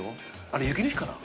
あれ雪の日かな？